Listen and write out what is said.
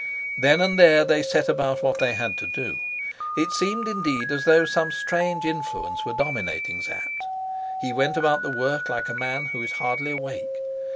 Then and there they set about what they had to do. It seemed indeed as though some strange influence were dominating Sapt; he went about the work like a man who is hardly awake.